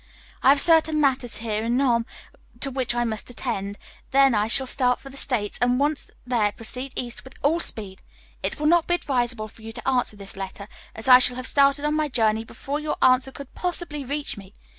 I have certain matters here in Nome to which I must attend, then I shall start for the States, and once there proceed east with all speed. It will not be advisable for you to answer this letter, as I shall have started on my journey before your answer could possibly reach me.